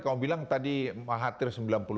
kamu bilang tadi mahathir sembilan puluh lima